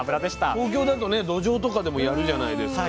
東京だとねどじょうとかでもやるじゃないですか。